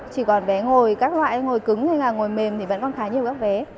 chỉ còn vé ngồi các loại ngồi cứng như là ngồi mềm thì vẫn còn khá nhiều các vé